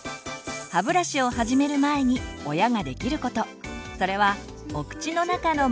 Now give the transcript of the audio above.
歯ブラシを始める前に親ができることそれはお口の中のマッサージ。